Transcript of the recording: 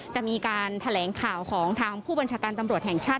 จะมีการแถลงข่าวของทางผู้บัญชาการตำรวจแห่งชาติ